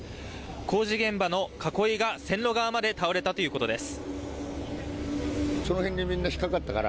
工事現場の囲いが線路側まで倒れたということです。